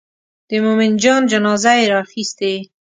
د مومن جان جنازه یې راخیستې.